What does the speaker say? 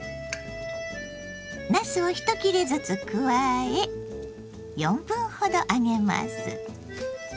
なすを１切れずつ加え４分ほど揚げます。